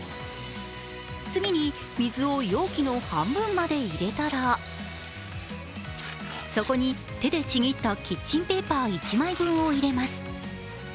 次に水を容器の半分まで入れたらそこに手でちぎったキッチンペーパー１枚分を入れます